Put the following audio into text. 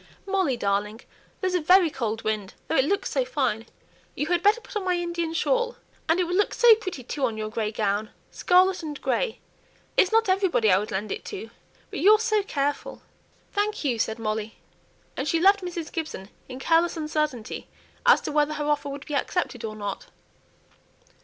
"Molly, darling, there's a very cold wind, though it looks so fine. You had better put on my Indian shawl; and it will look so pretty, too, on your grey gown scarlet and grey; it's not everybody I would lend it to, but you're so careful." "Thank you," said Molly: and she left Mrs. Gibson in careless uncertainty as to whether her offer would be accepted or not.